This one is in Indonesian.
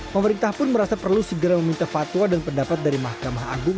pemerintah pun merasa perlu segera meminta fatwa dan pendapat dari mahkamah agung